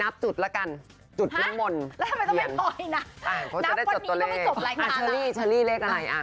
นับขนนี้ก็ไม่จบแรก